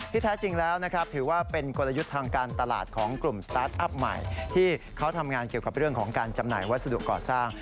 แท้จริงแล้วนะครับถือว่าเป็นกลยุทธ์ทางการตลาดของกลุ่มสตาร์ทอัพใหม่ที่เขาทำงานเกี่ยวกับเรื่องของการจำหน่ายวัสดุก่อสร้าง